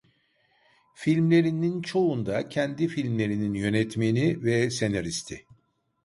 Filmlerinin çoğunda kendi filmlerinin yönetmeni ve senaristi.